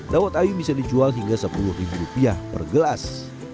dawat ayu bisa dijual hingga sepuluh rupiah per gelas